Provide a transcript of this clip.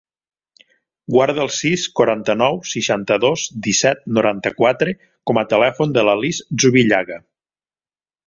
Guarda el sis, quaranta-nou, seixanta-dos, disset, noranta-quatre com a telèfon de l'Alice Zubillaga.